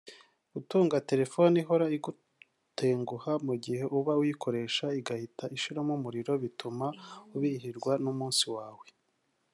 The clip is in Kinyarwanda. Gutunga telephone ihora igutenguha mugihe uba ukiyikoresha igahita ishiramo umuriro bituma ubihirwa n’umunsi wawe